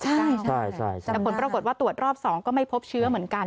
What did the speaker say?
ใช่แต่ผลปรากฏว่าตรวจรอบ๒ก็ไม่พบเชื้อเหมือนกัน